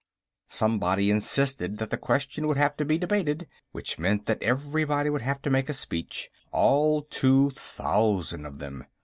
Somebody insisted that the question would have to be debated, which meant that everybody would have to make a speech, all two thousand of them.